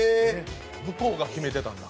向こうが決めてたんだ。